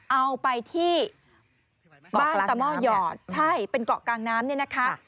เอาไปที่บ้านตะหม้อหยอดใช่เป็นเกาะกลางน้ำเนี่ยนะคะ